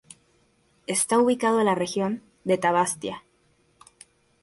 Está ubicado en la Región de Tavastia.